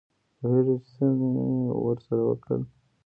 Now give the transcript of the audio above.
پوهېږې چې څه مې ورسره وکړل.